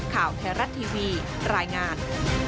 ข่าวไทยรัฐทีวีรายงาน